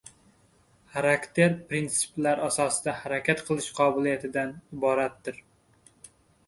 Xarakter printsiplar asosida harakat qilish qobiliyatidan iboratdir.